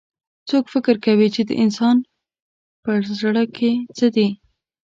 څوک فکر کوي چې د انسان پهزړه کي څه دي